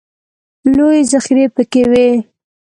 لویې ذخیرې پکې وې.